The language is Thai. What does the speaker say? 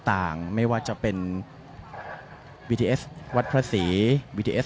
หลายกลุ่มด้วยกันเดินทางเข้ามาในพื้นที่ด้วยแล้วก็ดูแลพื้นที่จุดต่าง